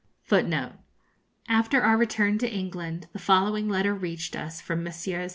[Footnote 3: After our return to England the following letter reached us from Messrs.